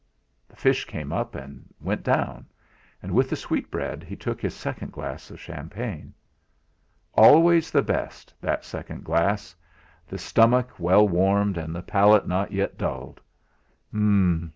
The fish came up, and went down; and with the sweetbread he took his second glass of champagne. Always the best, that second glass the stomach well warmed, and the palate not yet dulled. Umm!